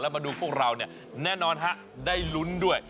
มาดูพวกเราเนี่ยแน่นอนฮะได้ลุ้นด้วย